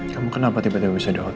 kamu kenapa tiba tiba bisa di hotel sih